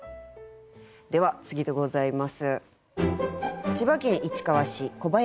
では次でございます。